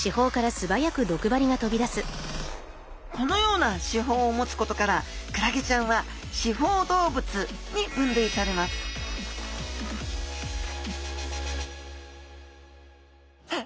このような刺胞を持つことからクラゲちゃんは刺胞動物に分類されますさあ